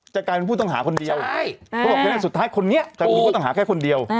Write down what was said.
กลายเป็นผู้ต้องหาคนเดียวเขาบอกแค่นั้นสุดท้ายคนนี้จะมีผู้ต้องหาแค่คนเดียว